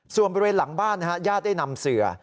ส่วนบริเวณหลังบ้านญาติได้นำเสือ